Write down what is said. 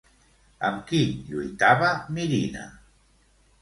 Amb qui lluitava Mirina?